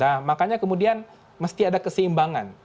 nah makanya kemudian mesti ada keseimbangan